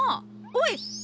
おい！